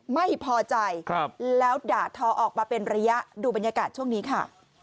ไม่พอใจแล้วด่าทอออกมาเป็นระยะดูบรรยากาศช่วงนี้ค่ะ